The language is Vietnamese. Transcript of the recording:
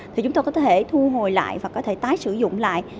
thì chúng tôi có thể thu hồi lại và có thể tái sử dụng lại